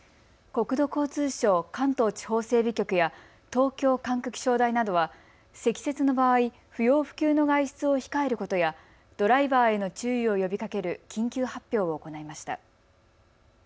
国土交通省関東地方整備局や東京管区気象台などは積雪の場合、不要不急の外出を控えることやドライバーへの注意を呼びかける緊急発表を行いました。